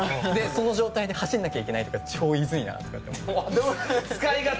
その状態で走んなきゃいけないとかが超いずいなって思います。